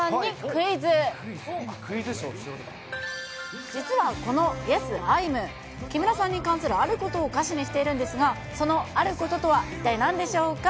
クイズショー、実は、このイエス・アイム、木村さんに関するあることを歌詞にしているんですが、そのあることとは一体なんでしょうか。